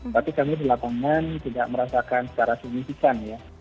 tapi kami di lapangan tidak merasakan secara signifikan ya